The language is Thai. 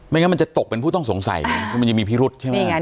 งั้นมันจะตกเป็นผู้ต้องสงสัยคือมันยังมีพิรุษใช่ไหม